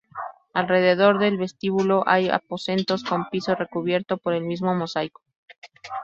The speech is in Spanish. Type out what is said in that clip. Alrededor del vestíbulo, hay aposentos con piso recubierto por el mismo mosaico.